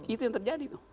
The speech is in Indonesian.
itu yang terjadi